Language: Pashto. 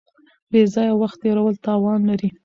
بې ځایه وخت تېرول تاوان لري.